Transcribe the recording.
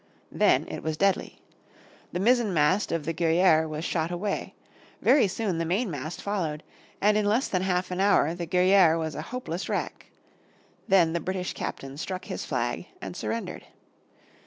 Then it was deadly. The mizzen mast of the Guerriere was shot away; very soon the main mast followed, and in less than half an hour the Guerriere was a hopeless wreck. Then the British captain struck his flag and surrendered.